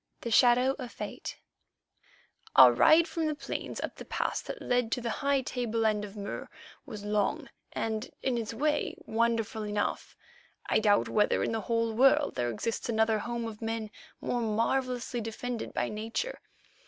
THE SHADOW OF FATE Our ride from the plains up the pass that led to the high tableland of Mur was long and, in its way, wonderful enough. I doubt whether in the whole world there exists another home of men more marvellously defended by nature.